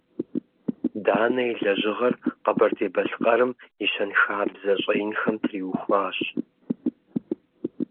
Данэ и лэжьыгъэр Къэбэрдей-Балъкъэрым и щэнхабзэ щӀэинхэм триухуащ.